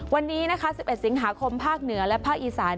วันนี้นะคะ๑๑สิงหาคมภาคเหนือและภาคอีสาน